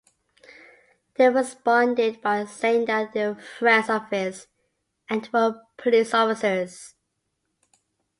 They responded by saying they were friends of his and were police officers.